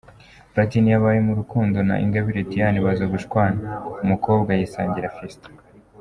Platini yabaye mu rukundo na Ingabire Diane baza gushwana, umukobwa yisangira Fiston.